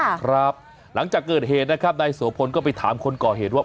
หลังจากเกิดเหตุนะครับนายโสพลก็ไปถามคนก่อเหตุว่า